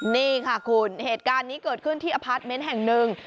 นี่ค่ะคุณเหตุการณ์นี้เกิดขึ้นที่อพาร์ทเมนต์แห่งหนึ่ง